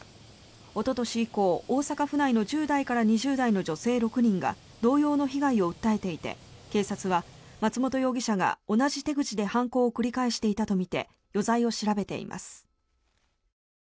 おととし以降、大阪府内の１０代から２０代の女性６人が同様の被害を訴えていて警察は松本容疑者が同じ手口で犯行を繰り返していたとみて余罪を調べています。